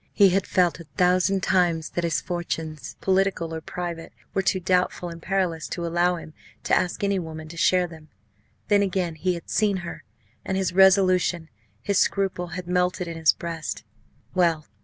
He had felt a thousand times that his fortunes, political or private, were too doubtful and perilous to allow him to ask any woman to share them. Then, again, he had seen her and his resolution, his scruple, had melted in his breast! Well!